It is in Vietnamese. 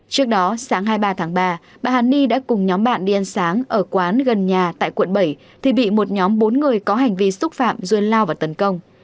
trước đó sáng hai mươi ba tháng ba bà hàn ni đã cùng nhóm bạn đi ăn sáng ở quán gần nhà tại quận bảy thì bị một nhóm bốn người có hành vi xúc phạm duyên lao và tấn công